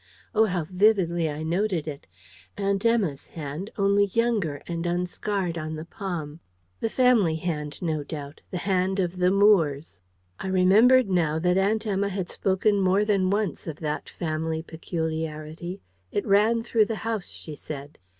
Oh, how vividly I noted it! Aunt Emma's hand, only younger, and unscarred on the palm. The family hand, no doubt: the hand of the Moores. I remembered, now, that Aunt Emma had spoken more than once of that family peculiarity. It ran through the house, she said.